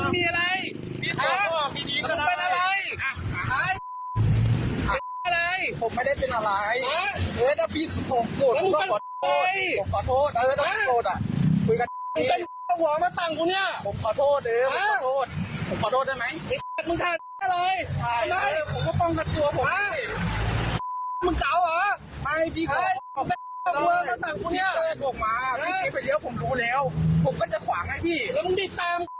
มันถอยมาหลังที่เขาแล้วว่าจะก